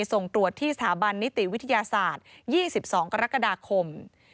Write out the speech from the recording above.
ส่งตรวจที่สถาบันนิติวิทยาศาสตร์๒๒กรกฎาคม